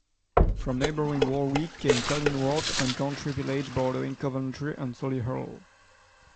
From neighbouring Warwick came Kenilworth and country villages bordering Coventry and Solihull.